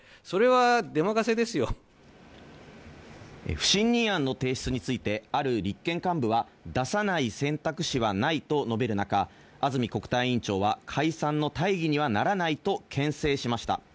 不信任案の提出について、ある立憲幹部は出さない選択肢はないと述べる中、安住国対委員長は、解散の大義にはならないとけん制しました。